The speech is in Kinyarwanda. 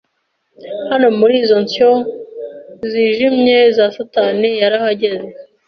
hano Muri izo nsyo zijimye za satani yarahageze